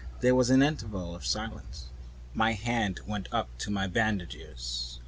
There was an interval of silence. My hand went up to my bandages.